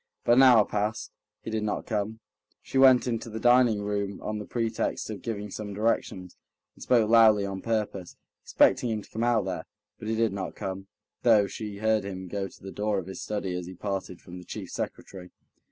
But an hour passed; he did not come. She went into the dining room on the pretext of giving some directions, and spoke loudly on purpose, expecting him to come out there; but he did not come, though she heard him go to the door of his study as he parted from the chief secretary.